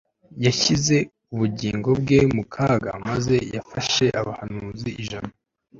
yashyize ubugingo bwe mu kaga maze yafashe abahanuzi ijana